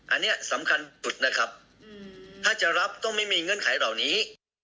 อันนี้สำคัญสุดนะครับถ้าจะรับต้องไม่มีเงื่อนไขเหล่านี้